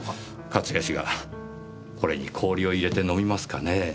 勝谷氏がこれに氷を入れて飲みますかねぇ。